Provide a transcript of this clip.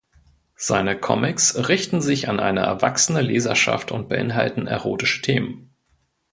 Seine Comics richten sich an eine erwachsene Leserschaft und beinhalten erotische Themen.